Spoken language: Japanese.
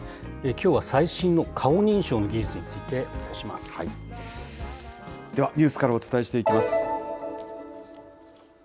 きょうは最新の顔認証の技術では、ニュースからお伝えしていきます。